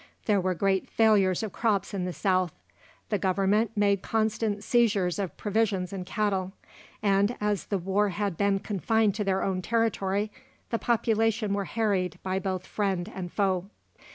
There were great failures of crops in the South; the Government made constant seizures of provisions and cattle; and as the war had been confined to their own territory, the population were harried by both friend and foe.